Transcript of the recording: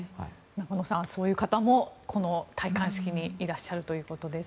中野さん、そういう方も戴冠式にいらっしゃるということです。